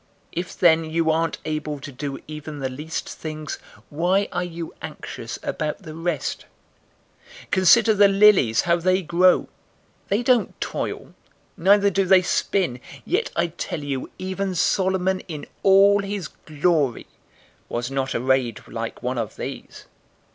012:026 If then you aren't able to do even the least things, why are you anxious about the rest? 012:027 Consider the lilies, how they grow. They don't toil, neither do they spin; yet I tell you, even Solomon in all his glory was not arrayed like one of these.